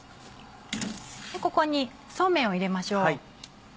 ここにそうめんを入れましょう。